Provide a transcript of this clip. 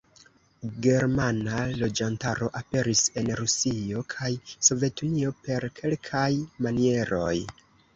Germana loĝantaro aperis en Rusio kaj Sovetunio per kelkaj manieroj.